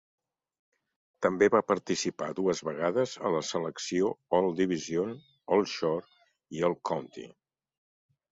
També va participar dues vegades a la selecció All-Division, All-Shore i All-County.